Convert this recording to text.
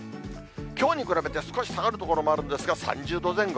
きょうに比べて、少し下がる所もあるんですが、３０度前後。